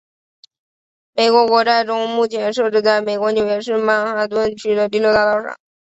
美国国债钟目前设置在美国纽约市曼哈顿区的第六大道上。